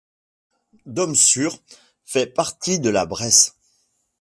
Domsure fait partie de la Bresse.